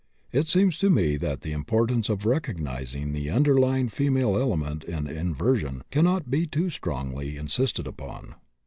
It seems to me that the importance of recognizing the underlying female element in inversion cannot be too strongly insisted upon."